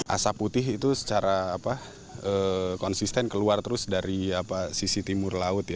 asap putih itu secara konsisten keluar terus dari sisi timur laut